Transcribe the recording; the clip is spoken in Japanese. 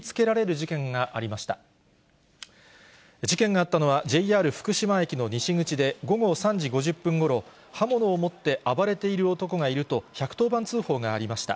事件があったのはＪＲ福島駅の西口で、午後３時５０分ごろ、刃物を持って暴れている男がいると、１１０番通報がありました。